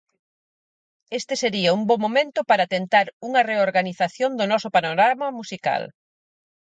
Este sería un bo momento para tentar unha reorganización do noso panorama musical.